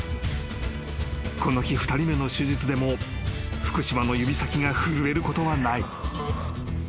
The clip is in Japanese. ［この日２人目の手術でも福島の指先が震えることはない］